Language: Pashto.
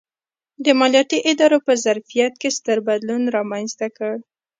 د مالیاتي ادارو په ظرفیت کې ستر بدلون رامنځته کړ.